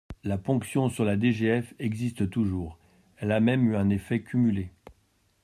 La ponction sur la DGF existe toujours, elle a même eu un effet cumulé.